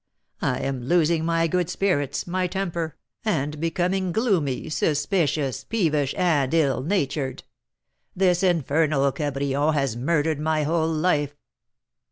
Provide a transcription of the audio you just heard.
I am losing my good spirits, my temper, and becoming gloomy, suspicious, peevish, and ill natured. This infernal Cabrion has murdered my whole life!"